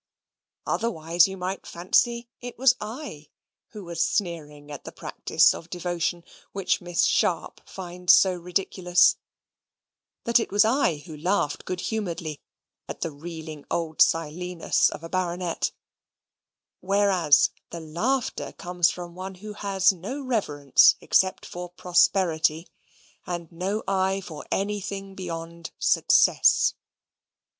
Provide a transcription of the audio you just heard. Otherwise you might fancy it was I who was sneering at the practice of devotion, which Miss Sharp finds so ridiculous; that it was I who laughed good humouredly at the reeling old Silenus of a baronet whereas the laughter comes from one who has no reverence except for prosperity, and no eye for anything beyond success.